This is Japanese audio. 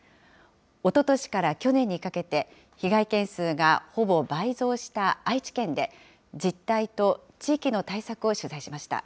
おととしから去年にかけて、被害件数がほぼ倍増した愛知県で、実態と地域の対策を取材しました。